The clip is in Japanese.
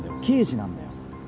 刑事なんだよ。